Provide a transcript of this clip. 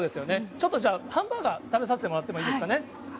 ちょっとじゃあ、ハンバーガー食べさせてもらってもいいですかね。